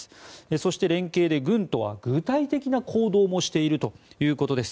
そして、連携で軍とは具体的な行動もしているということです。